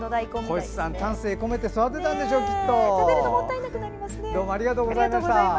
星さん、丹精こめて育てたんでしょう、きっと。